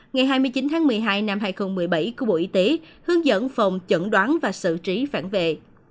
ngày hai mươi chín tháng một mươi hai năm hai nghìn một mươi bảy của bộ y tế hướng dẫn phòng chẩn đoán và xử trí phản vệ